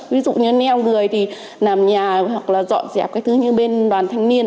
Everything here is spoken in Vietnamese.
ví dụ như neo người thì làm nhà hoặc là dọn dẹp các thứ như bên đoàn thanh niên